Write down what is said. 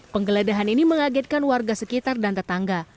penggeledahan ini mengagetkan warga sekitar dan tetangga